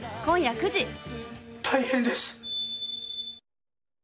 大変です。